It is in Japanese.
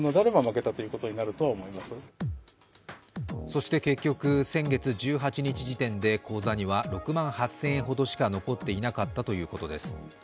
そして結局、先月１８日時点で口座には６万８０００円ほどしか残っていなかったということです。